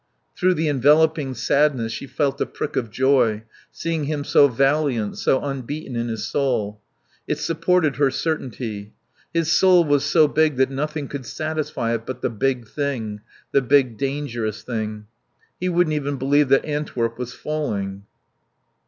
Through the enveloping sadness she felt a prick of joy, seeing him so valiant, so unbeaten in his soul. It supported her certainty. His soul was so big that nothing could satisfy it but the big thing, the big dangerous thing. He wouldn't even believe that Antwerp was falling.